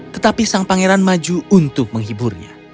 tetapi sang pangeran maju untuk menghiburnya